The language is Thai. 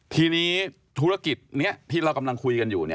ทีนี้ธุรกิจนี้ที่เรากำลังคุยกันอยู่